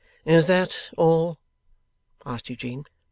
'Is that all?' asked Eugene.